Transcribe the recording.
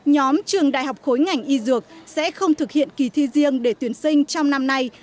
nhóm trường đại học khối ngành y dược sẽ không thực hiện kỳ thi riêng để tuyển sinh trong năm nay